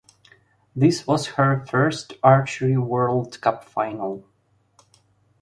This was her first Archery World Cup final.